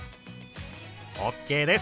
ＯＫです！